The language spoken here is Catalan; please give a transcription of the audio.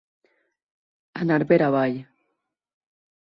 Anar per avall.